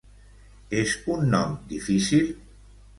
És un nom difícil?